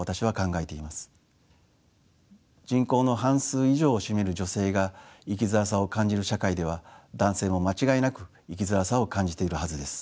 人口の半数以上を占める女性が生きづらさを感じる社会では男性も間違いなく生きづらさを感じているはずです。